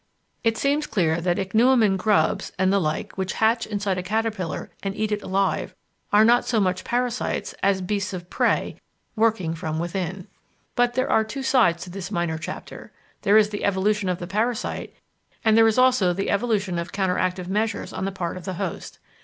It seems clear that ichneumon grubs and the like which hatch inside a caterpillar and eat it alive are not so much parasites as "beasts of prey" working from within. But there are two sides to this minor chapter: there is the evolution of the parasite, and there is also the evolution of counteractive measures on the part of the host.